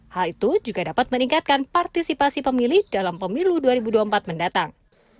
hal itu juga dapat meningkatkan partisipasi pemilih dalam pemilu dua ribu dua puluh empat mendatang